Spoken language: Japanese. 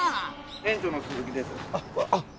園長の鈴木です。